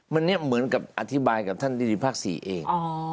มันนี้เหมือนอธิบายกับท่านดิดิภาคศรีเอง